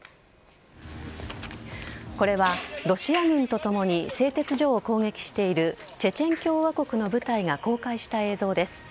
これは、ロシア軍とともに製鉄所を攻撃しているチェチェン共和国の部隊が公開した映像です。